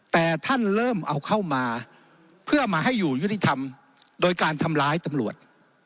แต่ท่านเริ่มเอาเข้ามาเพื่อมาให้อยู่ยุติธรรมโดยการทำร้ายตำรวจ